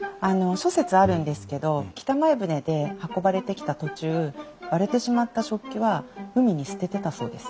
諸説あるんですけど北前船で運ばれてきた途中割れてしまった食器は海に捨ててたそうです。